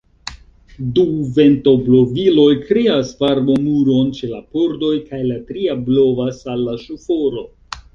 Du ventobloviloj kreas varmomuron ĉe la pordoj kaj la tria blovas al la ŝoforo.